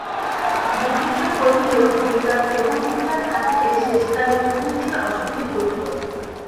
মহেন্দ্র কহিল, দিনরাত এমন করিয়া খাটিলে শেষকালে তুমিই যে অসুখে পড়িবে।